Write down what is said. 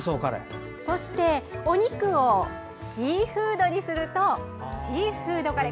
そしてお肉をシーフードにするとシーフードカレー。